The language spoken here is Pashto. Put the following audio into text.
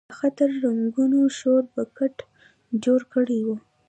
د خطر زنګونو شور بګت جوړ کړی و.